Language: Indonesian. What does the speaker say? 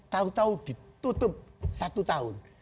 tahu tahu ditutup satu tahun